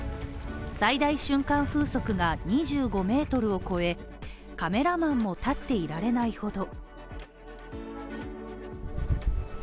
最大瞬間風速が２５メートルを超えカメラマンも立っていられないほど。